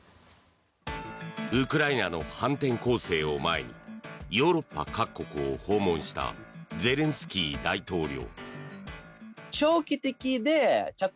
ウクライナの反転攻勢を前にヨーロッパ各国を訪問したゼレンスキー大統領。